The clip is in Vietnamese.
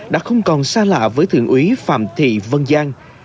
đã không còn xa lạ với thượng úy phạm thị vân giang